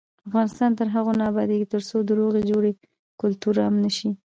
افغانستان تر هغو نه ابادیږي، ترڅو د روغې جوړې کلتور عام نشي.